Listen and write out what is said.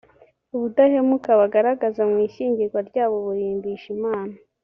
ubudahemuka bagaragaza mu ishyingiranwa ryabo burimbisha imana